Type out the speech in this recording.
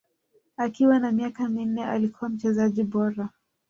Akiwa na miaka minne alikuwa mchezaji bora